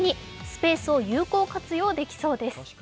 スペースを有効活用できそうです。